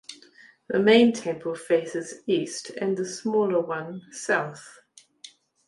The main temple faces east and the smaller one south.